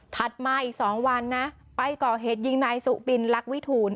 มาอีก๒วันนะไปก่อเหตุยิงนายสุบินลักษวิทูล